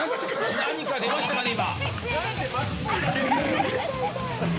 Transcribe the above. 何か出ましたかね、今。